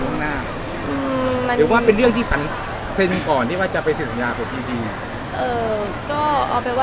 ว่าเป็นเรื่องที่ปันเซ็นก่อนที่ว่าจะไปซึ่งยาต่อที